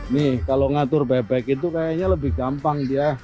nih kalau ngatur bebek itu kayaknya lebih gampang dia